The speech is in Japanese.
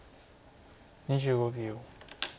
２５秒。